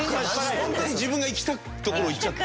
本当に自分が行きたい所を言っちゃって？